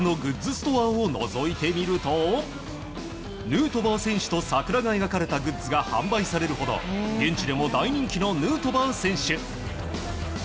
ストアをのぞいてみるとヌートバー選手と桜が描かれたグッズが販売されるなど現地でも大人気のヌートバー選手。